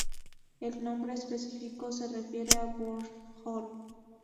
El nombre específico se refiere a Bornholm.